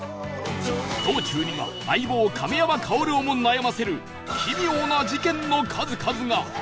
道中には『相棒』亀山薫をも悩ませる奇妙な事件の数々が